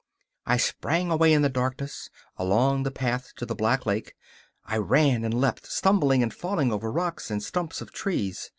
I sprang away in the darkness, along the path to the Black Lake. I ran and leapt, stumbling and falling over rocks and stumps of trees.